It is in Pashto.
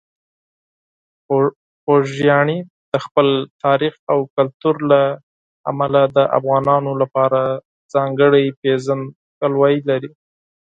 خوږیاڼي د خپل تاریخ او کلتور له امله د افغانانو لپاره ځانګړې پېژندګلوي لري.